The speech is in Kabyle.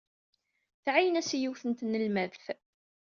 Tɛeyyen-as i yiwet n tnelmadt.